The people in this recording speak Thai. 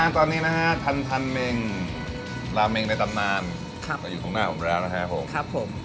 ทันทันเมงลาเมงในตำนานครับอยู่ตรงหน้าผมแล้วนะครับผมครับผม